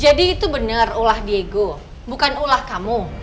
jadi itu benar ulah diego bukan ulah kamu